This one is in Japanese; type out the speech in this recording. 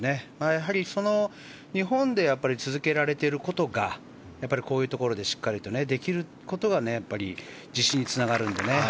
やはり日本で続けられていることがこういうところでしっかりとできることがやっぱり自信につながるので。